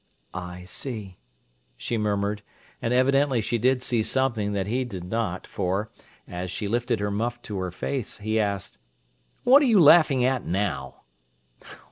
"I see!" she murmured, and evidently she did see something that he did not, for, as she lifted her muff to her face, he asked: "What are you laughing at now?"